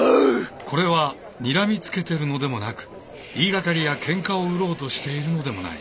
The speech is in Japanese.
これはにらみつけてるのでもなく言いがかりやケンカを売ろうとしているのでもない。